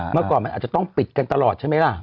เมื่อก่อนมันอาจจะต้องปิดกันตลอดใช่ไหมล่ะ